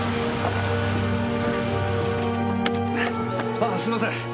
ああすいません